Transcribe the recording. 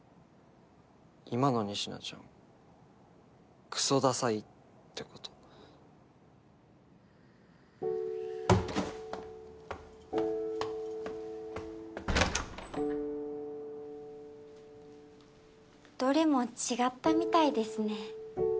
今の仁科ちゃんクソダサいってことどれも違ったみたいですね